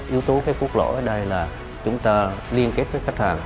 yếu tố của quốc lộ ở đây là chúng ta liên kết với khách hàng